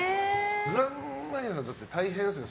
グランマニエさんだって大変ですね。